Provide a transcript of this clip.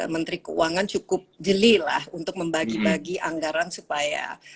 menteri keuangan cukup jeli lah untuk membagi bagi anggaran supaya